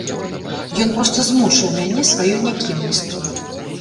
Ён проста змучыў мяне сваёй някемнасцю.